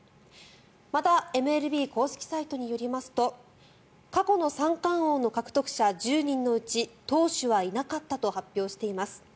またＭＬＢ公式サイトによりますと過去の三冠王の獲得者１０人のうち投手はいなかったと発表しています。